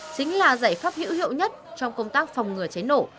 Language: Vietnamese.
chính là giải pháp hữu hiệu nhất trong công tác phòng ngừa cháy nổ